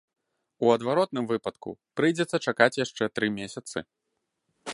У адваротным выпадку прыйдзецца чакаць яшчэ тры месяцы.